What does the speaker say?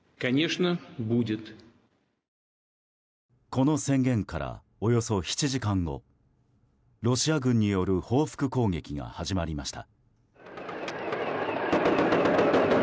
この宣言からおよそ７時間後ロシア軍による報復攻撃が始まりました。